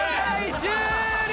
終了！